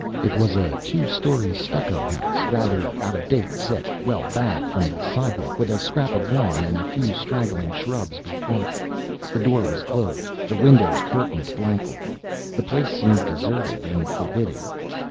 It was a two story stucco house, rather out of date, set well back from the sidewalk, with a scrap of lawn and a few straggling shrubs before it. The door was closed, the windows curtained blankly. The place seemed deserted and forbidding.